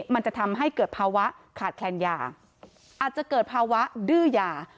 มันจะทำให้เกิดภาวะขาดแคลนยาอาจจะเกิดภาวะดื้อยา